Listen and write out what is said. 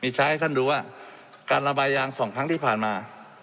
ใช้ให้ท่านดูว่าการระบายยาง๒ครั้งที่ผ่านมา